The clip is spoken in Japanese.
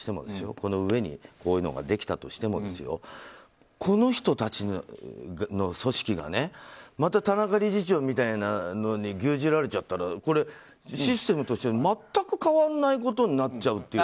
この上にこういうのができたとしてもこの人たちの組織がまた田中理事長みたいなのに牛耳られちゃったらこれ、システムとして全く変わらないことになっちゃうっていう。